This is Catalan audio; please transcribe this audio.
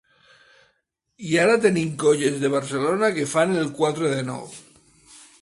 I ara tenim colles de Barcelona que fan el quatre de nou.